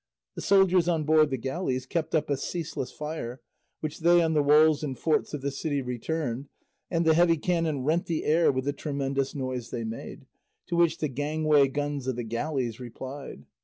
The soldiers on board the galleys kept up a ceaseless fire, which they on the walls and forts of the city returned, and the heavy cannon rent the air with the tremendous noise they made, to which the gangway guns of the galleys replied.